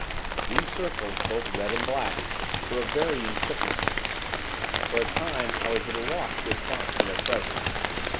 These circles both red and black were of varying thicknesses. For a time, I was at a loss to account for their presence.